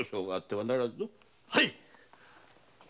はい。